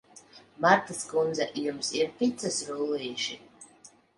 Martas kundze, jums ir picas rullīši?